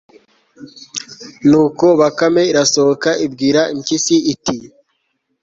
nuko bakame irasohoka ibwira impyisi iti